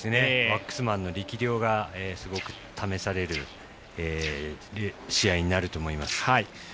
ワックスマンの力量がすごく試される試合になると思います。